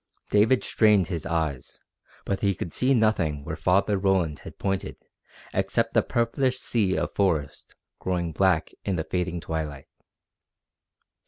David strained his eyes, but he could see nothing where Father Roland had pointed except the purplish sea of forest growing black in the fading twilight.